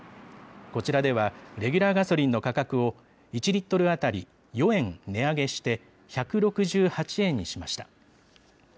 こちらではレギュラーガソリンの価格を１リットル当たり４円値上げして、１６８円にしました。